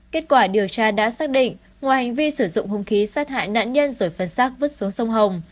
kết quả điều tra đã xác định ngoài hành vi sử dụng hung khí sát hại nạn nhân rồi phân xác vứt xuống sông hồng